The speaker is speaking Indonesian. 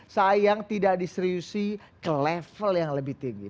sayang tidak diseriusi ke level yang lebih tinggi